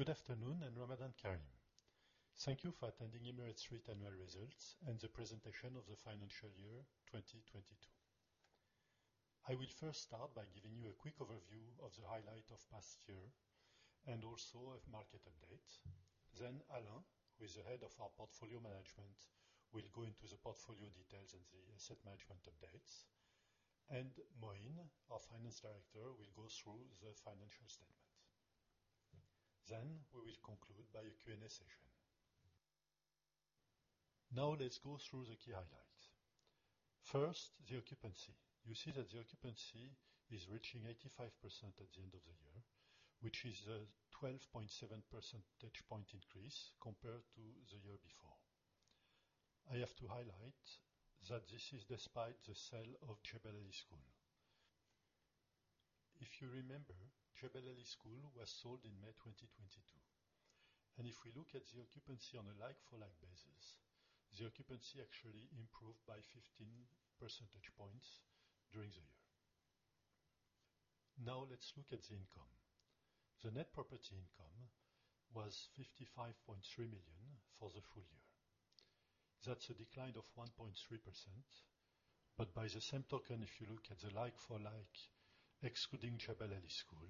Good afternoon and Ramadan Kareem. Thank you for attending Emirates REIT annual results and the presentation of the financial year 2022. I will first start by giving you a quick overview of the highlight of past year and also a market update. Alain, who is the head of our portfolio management, will go into the portfolio details and the asset management updates. Moeen, our Finance Director, will go through the financial statement. We will conclude by a Q&A session. Now let's go through the key highlights. First, the occupancy. You see that the occupancy is reaching 85% at the end of the year, which is a 12.7 percentage point increase compared to the year before. I have to highlight that this is despite the sale of Jebel Ali School. If you remember, Jebel Ali School was sold in May 2022, if we look at the occupancy on a like for like basis, the occupancy actually improved by 15 percentage points during the year. Now let's look at the income. The net property income was $55.3 million for the full year. That's a decline of 1.3%. By the same token, if you look at the like for like, excluding Jebel Ali School,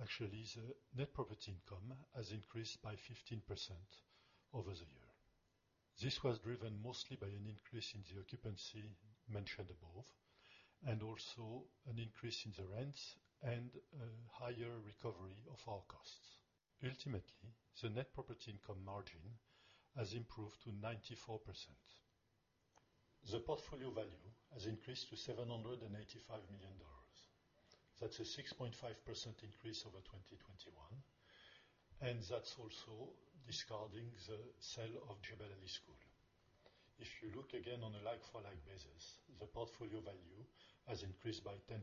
actually the net property income has increased by 15% over the year. This was driven mostly by an increase in the occupancy mentioned above, also an increase in the rents and a higher recovery of our costs. Ultimately, the net property income margin has improved to 94%. The portfolio value has increased to $785 million. That's a 6.5% increase over 2021, and that's also discarding the sale of Jebel Ali School. If you look again on a like for like basis, the portfolio value has increased by 10%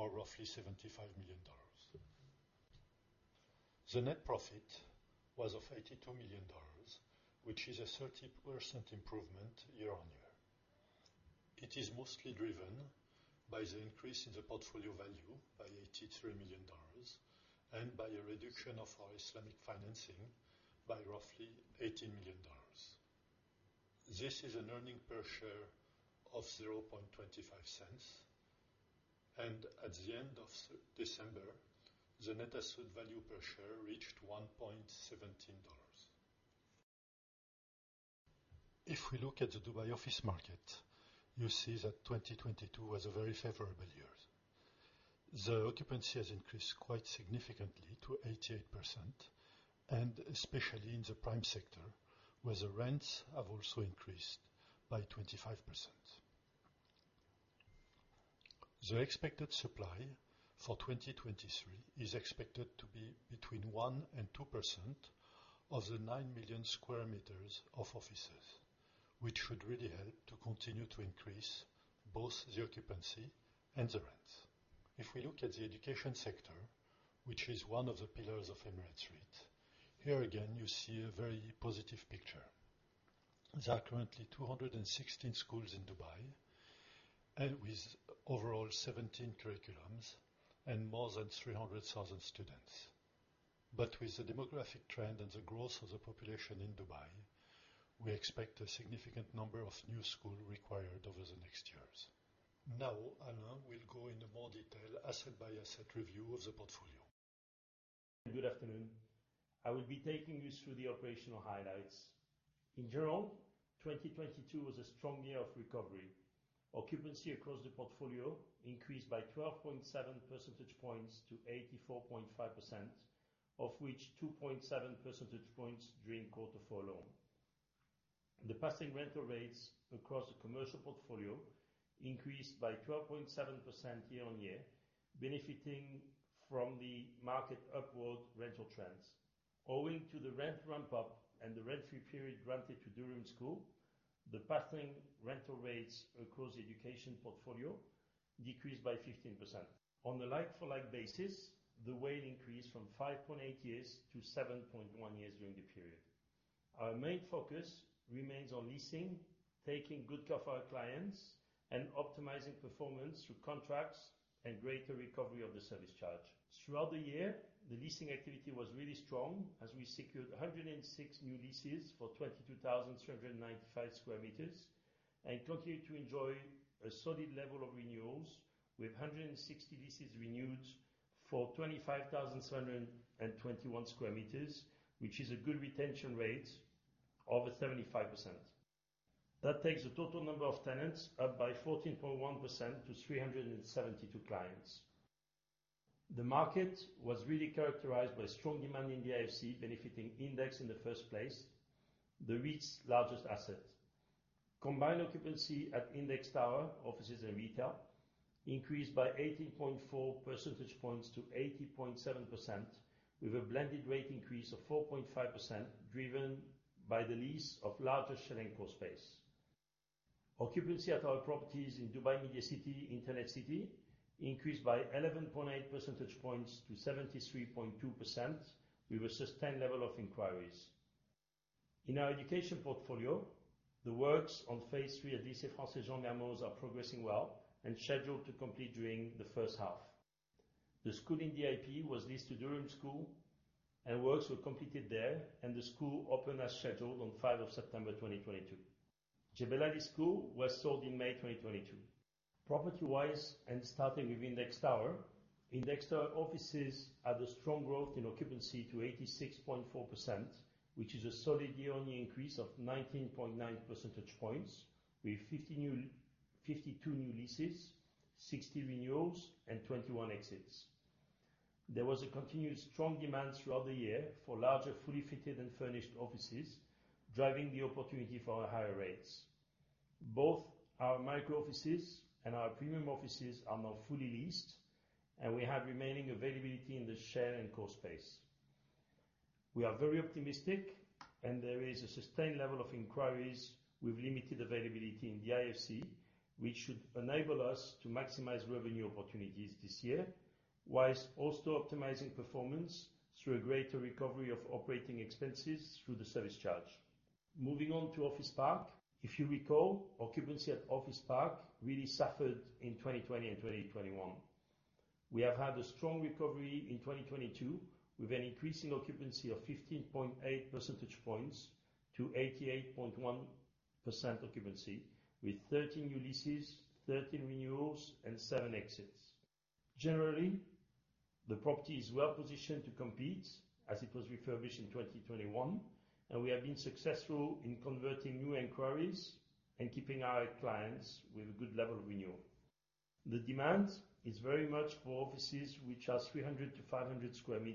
or roughly $75 million. The net profit was of $82 million, which is a 30% improvement year-on-year. It is mostly driven by the increase in the portfolio value by $83 million and by a reduction of our Islamic financing by roughly $18 million. This is an earning per share of $0.25. At the end of December, the net asset value per share reached $1.17. If we look at the Dubai office market, you see that 2022 was a very favorable year. The occupancy has increased quite significantly to 88%, and especially in the prime sector, where the rents have also increased by 25%. The expected supply for 2023 is expected to be between 1%-2% of the nine million sq m of offices, which should really help to continue to increase both the occupancy and the rents. If we look at the education sector, which is one of the pillars of Emirates REIT, here again you see a very positive picture. There are currently 216 schools in Dubai and with overall 17 curriculums and more than 300,000 students. With the demographic trend and the growth of the population in Dubai, we expect a significant number of new school required over the next years. Now Alain will go into more detail, asset by asset review of the portfolio. Good afternoon. I will be taking you through the operational highlights. In general, 2022 was a strong year of recovery. Occupancy across the portfolio increased by 12.7 percentage points to 84.5%, of which 2.7 percentage points during Q4 alone. The passing rental rates across the commercial portfolio increased by 12.7% year-over-year, benefiting from the market upward rental trends. Owing to the rent ramp up and the rent-free period granted to Durham School, the passing rental rates across the education portfolio decreased by 15%. On a like for like basis, the WALE increased from 5.8 years-7.1 years during the period. Our main focus remains on leasing, taking good care of our clients and optimizing performance through contracts and greater recovery of the service charge. Throughout the year, the leasing activity was really strong as we secured 106 new leases for 22,395 sq m and continued to enjoy a solid level of renewals with 160 leases renewed for 25,721 sq m, which is a good retention rate over 75%. That takes the total number of tenants up by 14.1% to 372 clients. The market was really characterized by strong demand in the DIFC benefiting Index Tower in the first place, the REIT's largest asset. Combined occupancy at Index Tower offices and retail increased by 18.4 percentage points to 80.7% with a blended rate increase of 4.5% driven by the lease of larger shell and core space. Occupancy at our properties in Dubai Media City, Internet City increased by 11.8 percentage points to 73.2% with a sustained level of inquiries. In our education portfolio, the works on phase III of Lycée Français Jean Mermoz are progressing well and scheduled to complete during the first half. The school in DIP was leased to Durham School and works were completed there, and the school opened as scheduled on 5 of September 2022. Jebel Ali School was sold in May 2022. Starting with Index Tower. Index Tower offices had a strong growth in occupancy to 86.4%, which is a solid year-over-year increase of 19.9 percentage points, with 52 new leases, 60 renewals, and 21 exits. There was a continued strong demand throughout the year for larger, fully fitted and furnished offices, driving the opportunity for higher rates. Both our micro offices and our premium offices are now fully leased, and we have remaining availability in the shell and core space. We are very optimistic and there is a sustained level of inquiries with limited availability in the DIFC, which should enable us to maximize revenue opportunities this year, whilst also optimizing performance through a greater recovery of operating expenses through the service charge. Moving on to Office Park. If you recall, occupancy at Office Park really suffered in 2020 and 2021. We have had a strong recovery in 2022, with an increasing occupancy of 15.8 percentage points to 88.1% occupancy with 13 new leases, 13 renewals, and seven exits. Generally, the property is well positioned to compete as it was refurbished in 2021, we have been successful in converting new inquiries and keeping our clients with a good level of renewal. The demand is very much for offices which are 300-500 sq m,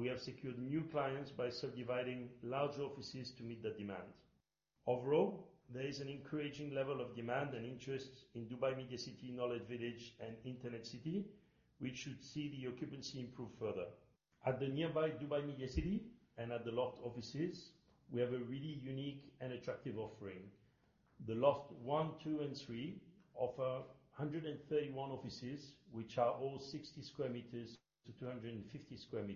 we have secured new clients by subdividing large offices to meet the demand. Overall, there is an encouraging level of demand and interest in Dubai Media City, Knowledge Village and Internet City, which should see the occupancy improve further. At the nearby Dubai Media City and at The Loft Offices, we have a really unique and attractive offering. The loft one, two, and three offer 131 offices, which are all 60 sq m-250 sq m,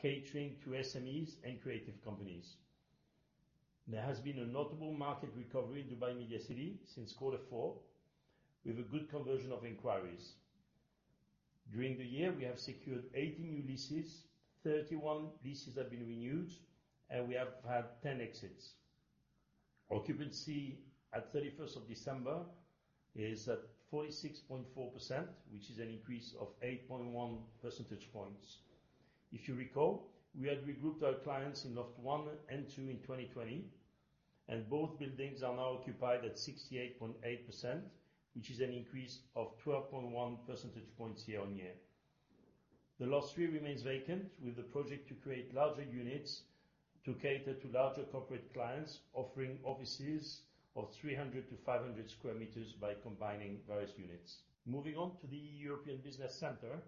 catering to SMEs and creative companies. There has been a notable market recovery in Dubai Media City since quarter four. We have a good conversion of inquiries. During the year, we have secured 80 new leases, 31 leases have been renewed, and we have had 10 exits. Occupancy at 31st of December is at 46.4%, which is an increase of 8.1 percentage points. If you recall, we had regrouped our clients in Loft 1 and 2 in 2020, and both buildings are now occupied at 68.8%, which is an increase of 12.1 percentage points year-on-year. The Loft 3 remains vacant with the project to create larger units to cater to larger corporate clients, offering offices of 300-500 sq m by combining various units. Moving on to the European Business Center.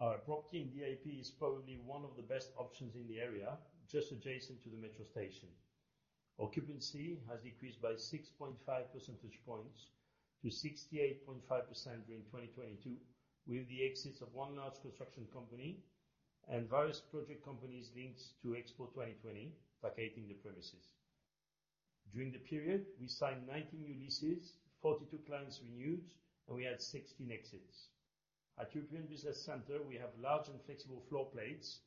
Our property in DIP is probably one of the best options in the area, just adjacent to the metro station. Occupancy has increased by 6.5 percentage points to 68.5% during 2022, with the exits of one large construction company and various project companies linked to Expo 2020 vacating the premises. During the period, we signed 19 new leases, 42 clients renewed, and we had 16 exits. At European Business Center, we have large and flexible floor plates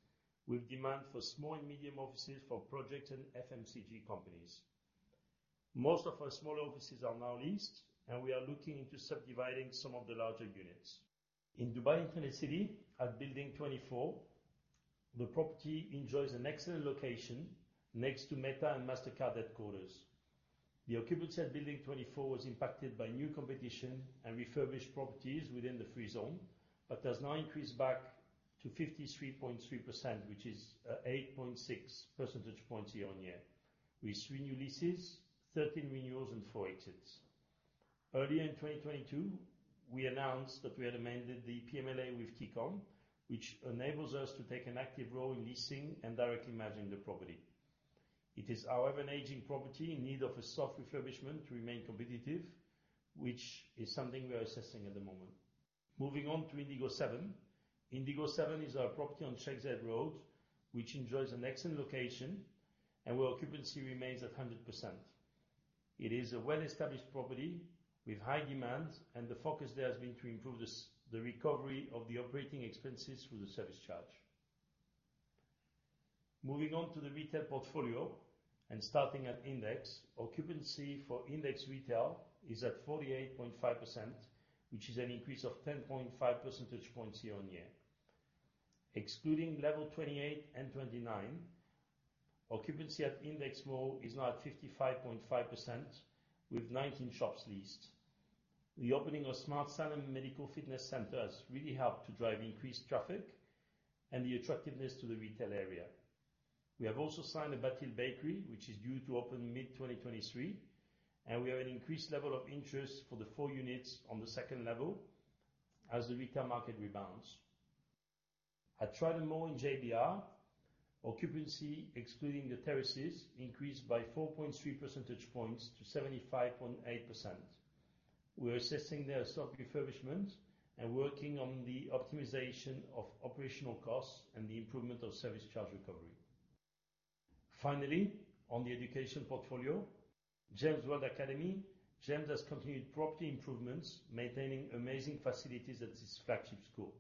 with demand for small and medium offices for project and FMCG companies. Most of our small offices are now leased, and we are looking into subdividing some of the larger units. In Dubai Internet City, at Building 24, the property enjoys an excellent location next to Meta and Mastercard headquarters. The occupancy at Building 24 was impacted by new competition and refurbished properties within the free zone, but has now increased back to 53.3%, which is 8.6 percentage points year-on-year. With three new leases, 13 renewals, and four exits. Earlier in 2022, we announced that we had amended the PMLA with TECOM, which enables us to take an active role in leasing and directly managing the property. It is however an aging property in need of a soft refurbishment to remain competitive, which is something we are assessing at the moment. Moving on to Indigo 7. Indigo 7 is our property on Sheikh Zayed Road, which enjoys an excellent location and where occupancy remains at 100%. It is a well-established property with high demand, the focus there has been to improve the recovery of the operating expenses through the service charge. Moving on to the retail portfolio, starting at Index. Occupancy for Index Retail is at 48.5%, which is an increase of 10.5 percentage points year-on-year. Excluding level 28 and 29, occupancy at Index Mall is now at 55.5% with 19 shops leased. The opening of Smart Salem Medical Fitness Center has really helped to drive increased traffic and the attractiveness to the retail area. We have also signed a Bateel Bakery, which is due to open mid-2023, we have an increased level of interest for the four units on the second level as the retail market rebounds. At Trident Mall in JBR, occupancy, excluding the terraces, increased by 4.3 percentage points to 75.8%. We're assessing their sort of refurbishment and working on the optimization of operational costs and the improvement of service charge recovery. Finally, on the education portfolio, GEMS World Academy. GEMS has continued property improvements, maintaining amazing facilities at its flagship school.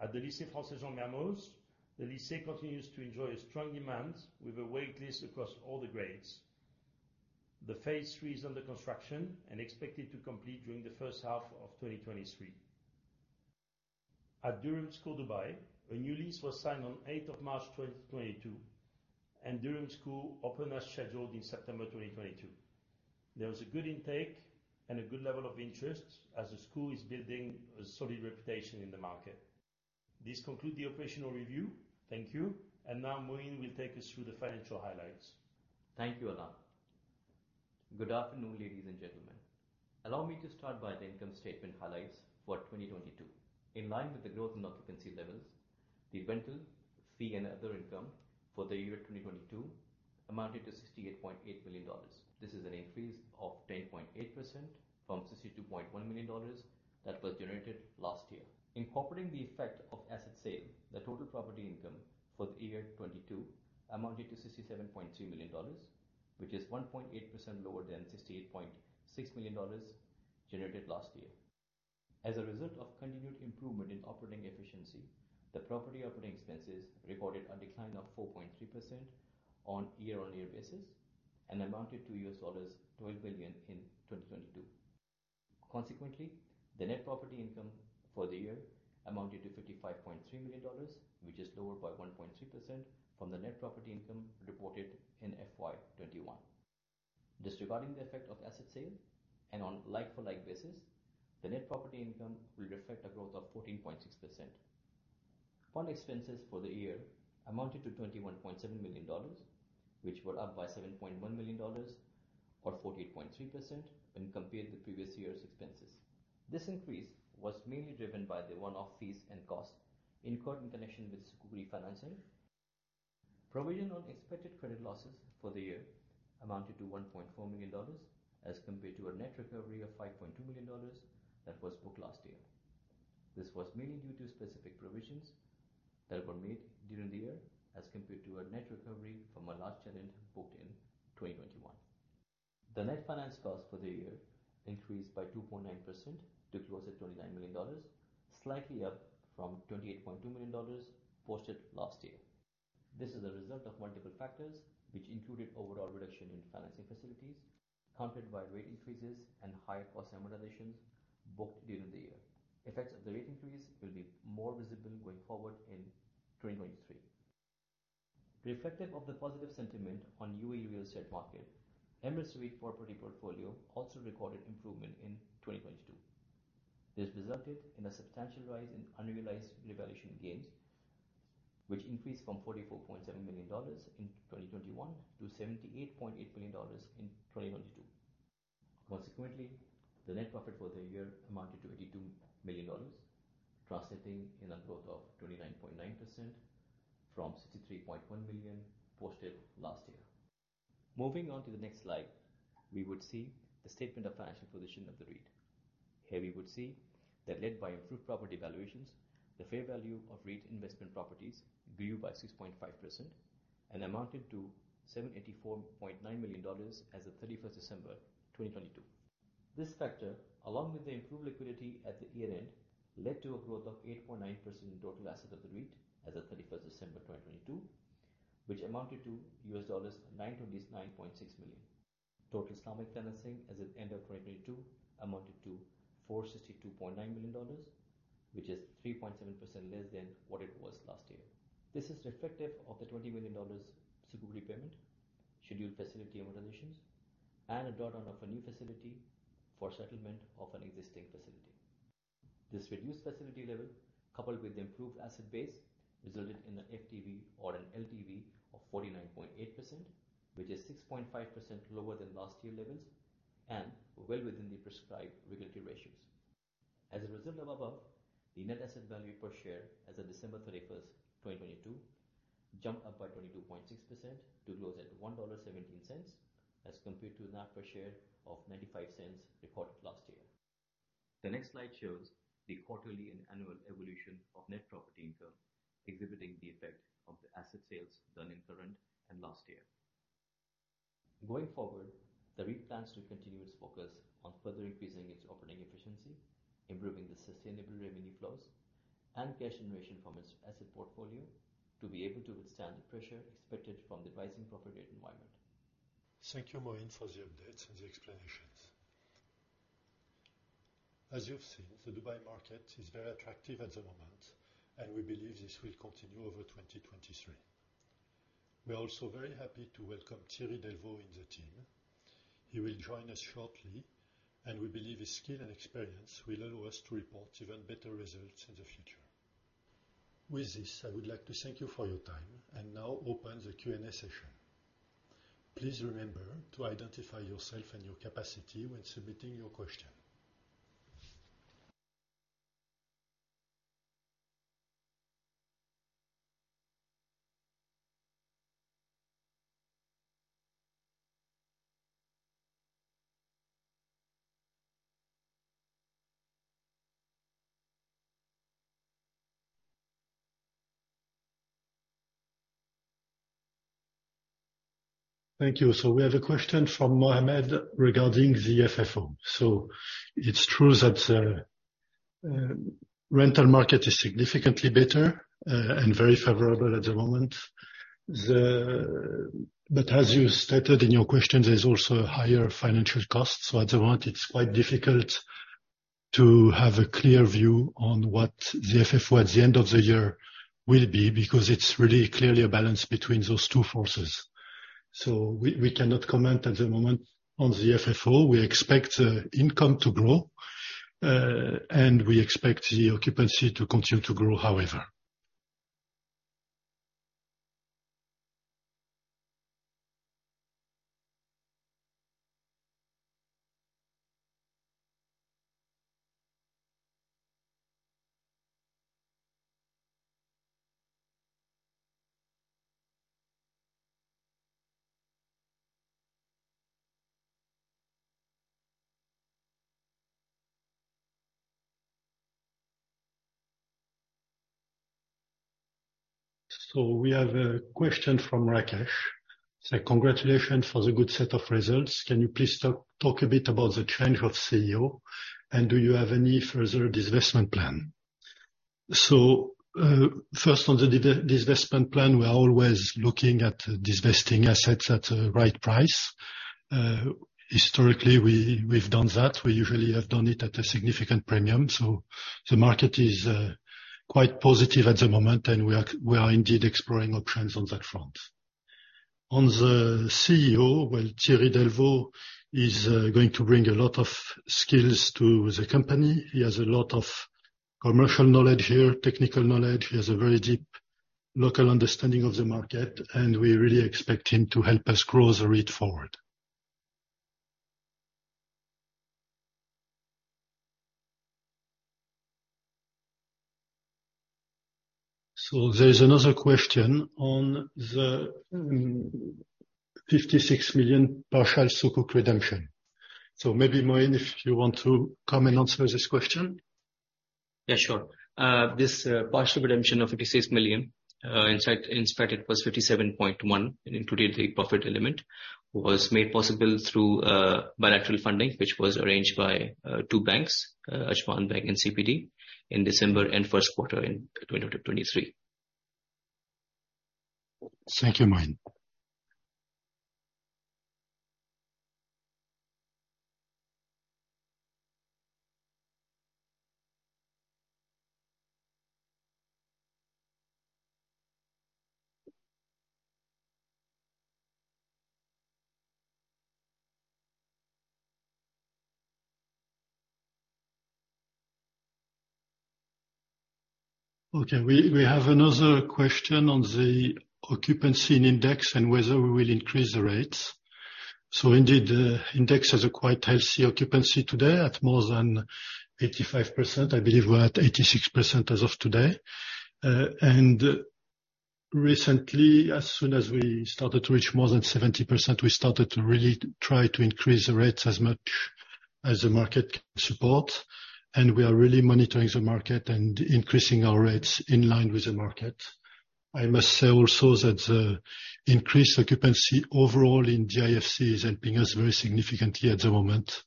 At the Lycée Français Jean Mermoz, the Lycée continues to enjoy a strong demand with a wait list across all the grades. The phase three is under construction and expected to complete during the first half of 2023. At Durham School Dubai, a new lease was signed on eighth of March 2022, and Durham School opened as scheduled in September 2022. There was a good intake and a good level of interest as the school is building a solid reputation in the market. This conclude the operational review. Thank you. Now Moeen will take us through the financial highlights. Thank you, Alain. Good afternoon, ladies and gentlemen. Allow me to start by the income statement highlights for 2022. In line with the growth in occupancy levels, the rental fee and other income for the year 2022 amounted to $68.8 million. This is an increase of 10.8% from $62.1 million that was generated last year. Incorporating the effect of asset sale, the total property income for the year 2022 amounted to $67.3 million, which is 1.8% lower than $68.6 million generated last year. As a result of continued improvement in operating efficiency, the property operating expenses recorded a decline of 4.3% on year-on-year basis and amounted to $12 million in 2022. Consequently, the net property income for the year amounted to $55.3 million, which is lower by 1.3% from the net property income reported in FY 2021. Disregarding the effect of asset sale, and on like-for-like basis, the net property income will reflect a growth of 14.6%. Bond expenses for the year amounted to $21.7 million, which were up by $7.1 million or 48.3% when compared to previous year's expenses. This increase was mainly driven by the one-off fees and costs incurred in connection with Sukuk refinancing. Provision on expected credit losses for the year amounted to $1.4 million as compared to a net recovery of $5.2 million that was booked last year. This was mainly due to specific provisions that were made during the year as compared to a net recovery from a large challenge booked in 2021. The net finance cost for the year increased by 2.9% to close at $29 million, slightly up from $28.2 million posted last year. This is a result of multiple factors which included overall reduction in financing facilities, countered by rate increases and higher cost amortizations booked during the year. Effects of the rate increase will be more visible going forward in 2023. Reflective of the positive sentiment on UAE real estate market, Emirates REIT property portfolio also recorded improvement in 2022. This resulted in a substantial rise in unrealized revaluation gains, which increased from $44.7 million in 2021 to $78.8 million in 2022. Consequently, the net profit for the year amounted to $82 million, translating in a growth of 29.9% from $63.1 million posted last year. Moving on to the next slide, we would see the statement of financial position of the REIT. Here we would see that led by improved property valuations, the fair value of REIT investment properties grew by 6.5% and amounted to $784.9 million as of 31st December 2022. This factor, along with the improved liquidity at the year-end, led to a growth of 8.9% in total assets of the REIT as of 31st December 2022, which amounted to $929.6 million. Total Islamic financing as of end of 2022 amounted to $462.9 million, which is 3.7% less than what it was last year. This is reflective of the $20 million Sukuk repayment, scheduled facility amortizations, and a draw down of a new facility for settlement of an existing facility. This reduced facility level, coupled with the improved asset base, resulted in an FTV or an LTV of 49.8%, which is 6.5% lower than last year levels and well within the prescribed regulatory ratios. As a result of above, the net asset value per share as of December 31st, 2022 jumped up by 22.6% to close at $1.17, as compared to net per share of $0.95 recorded last year. The next slide shows the quarterly and annual evolution of net property income, exhibiting the effect of the asset sales done in current and last year. Going forward, the REIT plans to continue its focus on further increasing its operating efficiency, improving the sustainable revenue flows, and cash generation from its asset portfolio to be able to withstand the pressure expected from the rising profit rate environment. Thank you, Moeen, for the updates and the explanations. As you've seen, the Dubai market is very attractive at the moment, and we believe this will continue over 2023. We are also very happy to welcome Thierry Delvaux in the team. He will join us shortly, and we believe his skill and experience will allow us to report even better results in the future. With this, I would like to thank you for your time and now open the Q&A session. Please remember to identify yourself and your capacity when submitting your question. Thank you. We have a question from Mohammed regarding the FFO. It's true that rental market is significantly better and very favorable at the moment. As you stated in your question, there's also higher financial costs. At the moment it's quite difficult to have a clear view on what the FFO at the end of the year will be, because it's really clearly a balance between those two forces. We cannot comment at the moment on the FFO. We expect income to grow and we expect the occupancy to continue to grow, however. We have a question from Rakesh, say, "Congratulations for the good set of results. Can you please talk a bit about the change of CEO, and do you have any further divestment plan?" First on the divestment plan, we are always looking at divesting assets at the right price. Historically, we've done that. We usually have done it at a significant premium. The market is quite positive at the moment, and we are indeed exploring options on that front. On the CEO, well, Thierry Delvaux is going to bring a lot of skills to the company. He has a lot of commercial knowledge here, technical knowledge. He has a very deep local understanding of the market, and we really expect him to help us grow the REIT forward. There's another question on the $56 million partial Sukuk redemption. Maybe, Moeen, if you want to come and answer this question. Yeah, sure. This partial redemption of $56 million, in fact it was $57.1, it included the profit element, was made possible through bilateral funding, which was arranged by two banks, Ajman Bank and CBD, in December and first quarter in 2020 to 2023. Thank you, Moeen. Okay, we have another question on the occupancy in Index and whether we will increase the rates. Indeed, Index has a quite healthy occupancy today at more than 85%. I believe we're at 86% as of today. Recently, as soon as we started to reach more than 70%, we started to really try to increase the rates as much as the market can support, and we are really monitoring the market and increasing our rates in line with the market. I must say also that the increased occupancy overall in DIFC is helping us very significantly at the moment.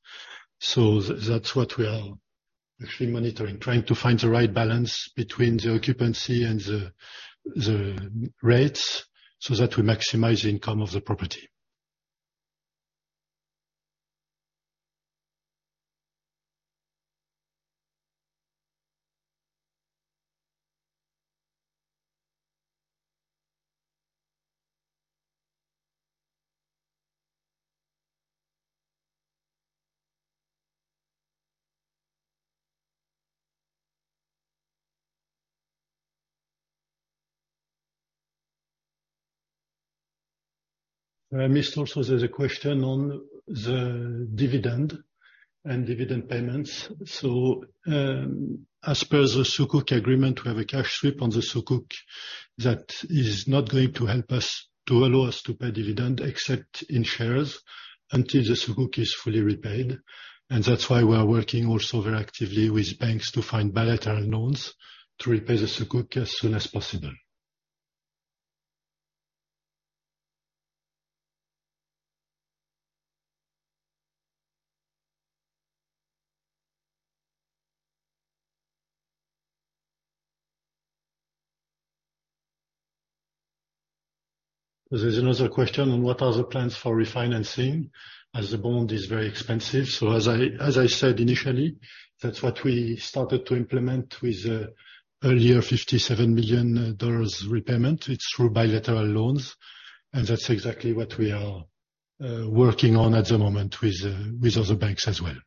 That's what we are actually monitoring. Trying to find the right balance between the occupancy and the rates, so that we maximize the income of the property. I missed also there's a question on the dividend and dividend payments. As per the Sukuk agreement, we have a cash sweep on the Sukuk that is not going to help us to allow us to pay dividend except in shares until the Sukuk is fully repaid. That's why we are working also very actively with banks to find bilateral loans to repay the Sukuk as soon as possible. There's another question on what are the plans for refinancing as the bond is very expensive. As I said initially, that's what we started to implement with the earlier $57 million repayment. It's through bilateral loans, and that's exactly what we are working on at the moment with other banks as well.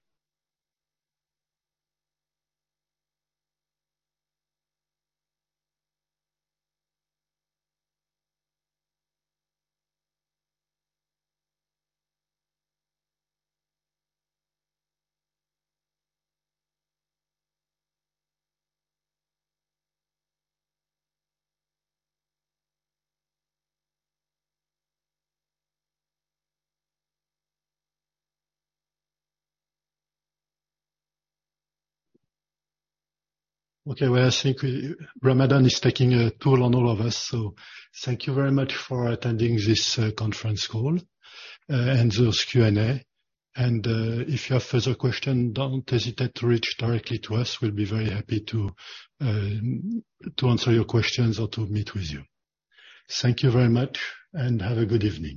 I think Ramadan is taking a toll on all of us. Thank you very much for attending this conference call and this Q&A. If you have further question, don't hesitate to reach directly to us. We'll be very happy to answer your questions or to meet with you. Thank you very much, and have a good evening.